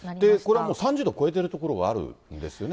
これはもう３０度超えてる所があるんですよね？